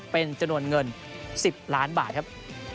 เป็นจำนวนเงิน๑๐ล้านบาทครับ